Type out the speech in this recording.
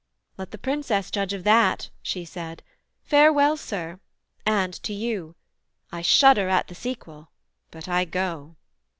'Let the Princess judge Of that' she said: 'farewell, Sir and to you. I shudder at the sequel, but I go.'